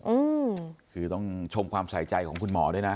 อืมคือต้องชมความใส่ใจของคุณหมอด้วยนะ